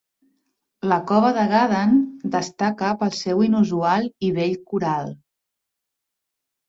La cova de Gaden destaca pel seu inusual i bell corall.